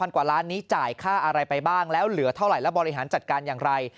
กว่าล้านนี้จ่ายค่าอะไรไปบ้างแล้วเหลือเท่าไหร่และบริหารจัดการอย่างไร